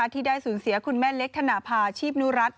ที่ได้สูญเสียคุณแม่เล็กธนภาชีพนุรัติ